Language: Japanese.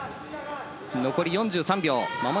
残り４３秒。